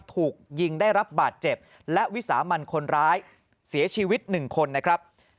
ถูกยิงได้รับบาดเจ็บและวิสามันคนร้ายเสียชีวิตหนึ่งคนนะครับ